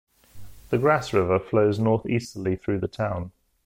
The Grasse River flows northeasterly through the town.